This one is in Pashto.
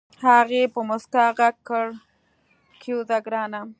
هغې په موسکا غږ کړ کېوځه ګرانه.